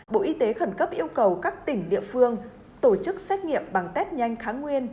bộ y tế khẩn cấp yêu cầu các tỉnh địa phương tổ chức xét nghiệm bằng test nhanh kháng nguyên